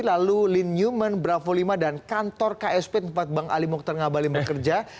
lalu lin newman bravo lima dan kantor ksp tempat bang ali mokhtar ngabalin bekerja